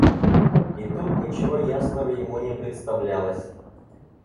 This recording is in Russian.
И тут ничего ясного ему не представлялось.